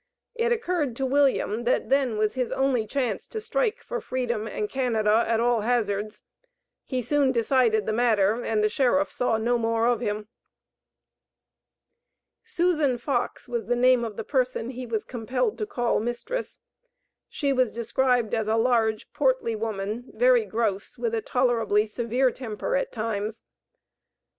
It occurred to William that then was his only chance to strike for freedom and Canada, at all hazards. He soon decided the matter, and the sheriff saw no more of him. Susan Fox was the name of the person he was compelled to call mistress. She was described as a "large, portly woman, very gross, with a tolerably severe temper, at times."